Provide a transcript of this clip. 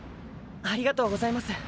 ありがとうございます。